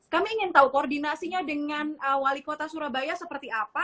kami ingin tahu koordinasinya dengan wali kota surabaya seperti apa